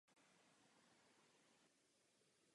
Historicky nejúspěšnějšími týmy jsou Prague Black Panthers.